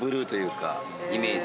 イメージ。